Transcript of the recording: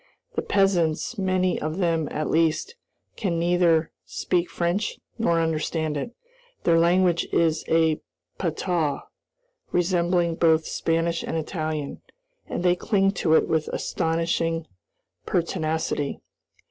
The peasants, many of them at least, can neither speak French nor understand it. Their language is a patois, resembling both Spanish and Italian, and they cling to it with astonishing pertinacity.